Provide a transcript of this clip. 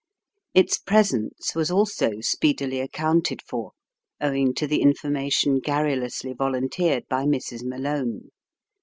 Its presence was also speedily accounted for, owing to the information garrulously volunteered by Mrs. Malone.